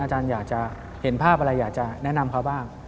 อาจารย์อยากจะเห็นภาพอะไรอยากจะแนะนำเขาบ้าง